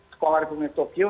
sekolah rekrutmen tokyo